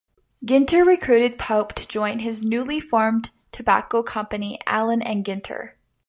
Ginter recruited Pope to join his newly formed tobacco company, Allen and Ginter.